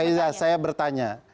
bu faiza saya bertanya